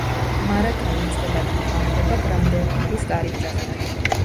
მარათონი იწყება და მთავრდება ბრანდენბურგის კარიბჭესთან.